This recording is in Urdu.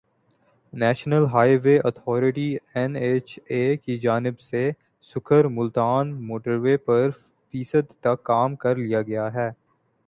national highway authority N H A کی جانب سے سکھر ملتان موٹر وے پر فیصد تک کام کر لیا گیا ہے